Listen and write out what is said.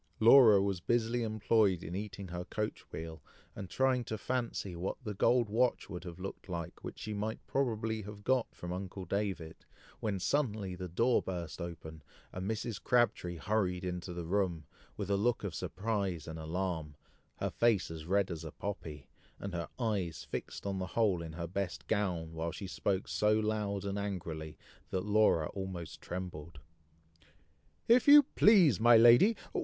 Laura was busily employed in eating her coach wheel, and trying to fancy what the gold watch would have looked like which she might probably have got from uncle David, when suddenly the door burst open, and Mrs. Crabtree hurried into the room, with a look of surprise and alarm, her face as red as a poppy, and her eye fixed on the hole in her best gown, while she spoke so loud and angrily, that Laura almost trembled. "If you please, my lady!